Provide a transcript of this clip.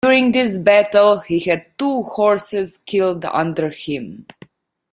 During this battle, he had two horses killed under him.